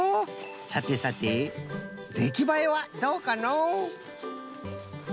さてさてできばえはどうかのう？